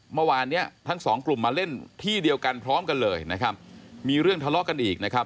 เมื่อวานเนี้ยทั้งสองกลุ่มมาเล่นที่เดียวกันพร้อมกันเลยนะครับมีเรื่องทะเลาะกันอีกนะครับ